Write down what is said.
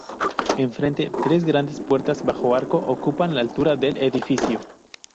En frente, tres grandes puertas bajo arco ocupan la altura del edificio.